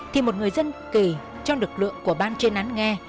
thì một người dân kể cho lực lượng của ban trên án nghe